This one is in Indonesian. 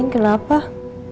tapi kamu sudah pecatuh